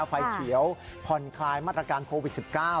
ไฟเขียวผ่อนคลายมาตรการโควิดสิบเก้า